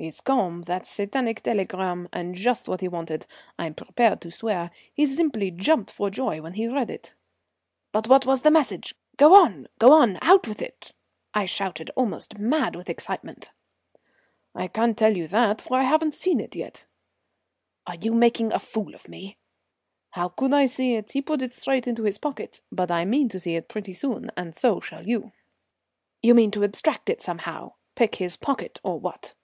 "It's come, that satanic telegram, and just what he wanted, I'm prepared to swear. He simply jumped for joy when he read it." "But what was the message? Go on, go on, out with it!" I shouted almost mad with excitement. "I can't tell you that, for I haven't seen it yet." "Are you making a fool of me?" "How could I see it? He put it straight into his pocket. But I mean to see it pretty soon, and so shall you." "You mean to abstract it somehow pick his pocket, or what?"